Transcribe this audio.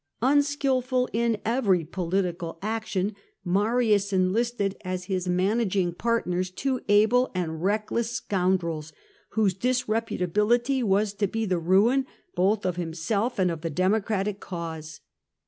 Unskilful in every political action, Marius enlisted as his managing partners two able and reckless scoundrels, whose disreputability was to be the ruin both of himself and of the Democratic cause.